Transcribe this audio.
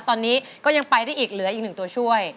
ตอนนี้ก็ยังไปได้อีกเหลืออีกหนึ่งตัวช่วย